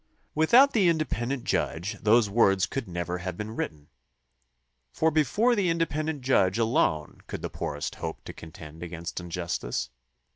Without the independent judge those words could never have been written, for before the independent judge alone could the poorest hope to contend against injustice.